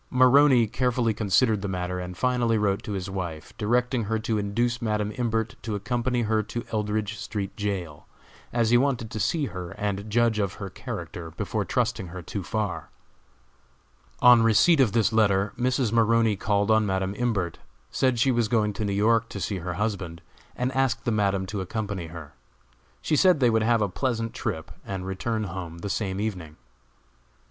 Maroney carefully considered the matter, and finally wrote to his wife, directing her to induce Madam Imbert to accompany her to Eldridge street jail, as he wanted to see her and judge of her character before trusting her too far. On receipt of this letter, Mrs. Maroney called on Madam Imbert, said she was going to New York to see her husband, and asked the Madam to accompany her. She said they would have a pleasant trip, and return home the same evening.